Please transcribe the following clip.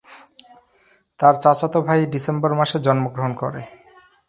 তার চাচাতো ভাই ডিসেম্বর মাসে জন্মগ্রহণ করে।